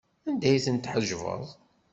Anda ay tent-tḥejbeḍ?